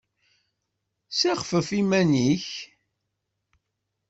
Ssixfef iman-nnek!